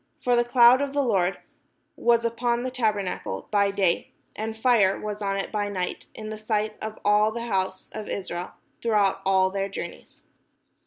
For the cloud of the Lord was 544 THE JOURNEY TO THE PROMISED LAND upon the tabernacle by day, and fire was on it by night, in the sight of all the house of Israel; throughout all their journeys.